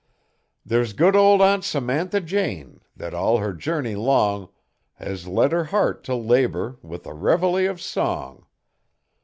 There's good old Aunt Samanthy Jane thet all her journey long Has led her heart to labour with a reveille of song.